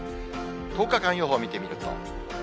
１０日間予報見てみると。